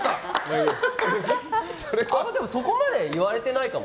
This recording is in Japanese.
そこまで言われてないかも。